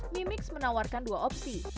mi mix menawarkan dua opsi